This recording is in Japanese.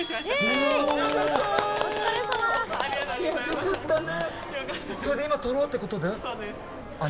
良かったね。